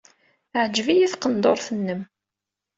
Teɛjeb-iyi tqendurt-nnem.